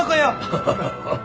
ハハハハハ。